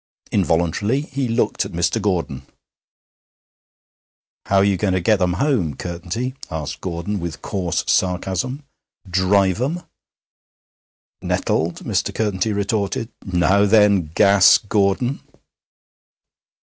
Involuntarily he looked at Mr. Gordon. 'How are you going to get 'em home, Curtenty?' asked Gordon, with coarse sarcasm; 'drive 'em?' Nettled, Mr. Curtenty retorted: 'Now, then, Gas Gordon!'